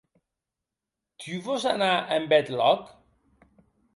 Tu vòs anar en bèth lòc?